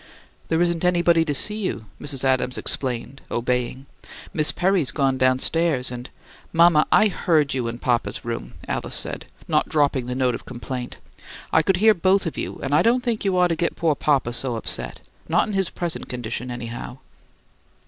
"There isn't anybody to see you," Mrs. Adams explained, obeying. "Miss Perry's gone downstairs, and " "Mama, I heard you in papa's room," Alice said, not dropping the note of complaint. "I could hear both of you, and I don't think you ought to get poor old papa so upset not in his present condition, anyhow."